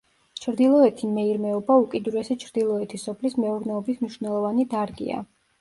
ჩრდილოეთი მეირმეობა უკიდურესი ჩრდილოეთი სოფლის მეურნეობის მნიშვნელოვანი დარგია.